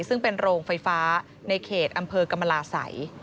ซึ่งเป็นโรงไฟฟ้าในเขตอำเภอกรรมลาศัย